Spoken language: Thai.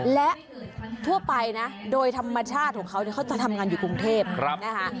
และทั่วไปนะโดยธรรมชาติของเขาเขาจะทำงานอยู่กรุงเทพนะคะ